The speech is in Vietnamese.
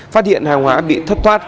phát hiện hàng hóa bị thất thoát